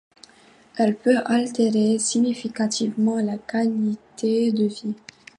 Elle peut altérer significativement la qualité de vie.